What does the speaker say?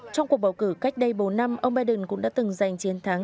trong cuộc bầu cử cách đây bốn năm ông biden cũng đã từng giành chiến thắng